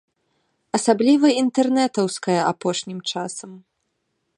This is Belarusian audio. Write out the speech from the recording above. Асабліва інтэрнэтаўская апошнім часам.